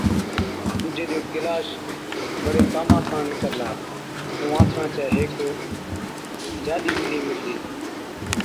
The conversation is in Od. ڏُوجي ڏِيئو ڪيلاش بڙي ڪاما ڪاڻ نِڪرلا ائُون آنٿڻان چَي هيڪ جاڏِي ٻلِي مِللِي۔